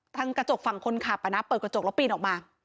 กระจกฝั่งคนขับเปิดกระจกแล้วปีนออกมา